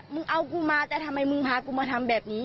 มึงเอากูมาแต่ทำไมมึงพากูมาทำแบบนี้